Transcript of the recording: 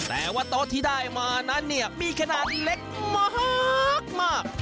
แต่ว่าโต๊ะที่ได้มานั้นเนี่ยมีขนาดเล็กมาก